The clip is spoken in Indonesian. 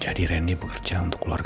jadi randy bekerja untuk keluarga